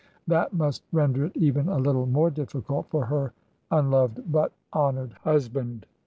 That must render it even a little more difficult for her unloved but honored husband.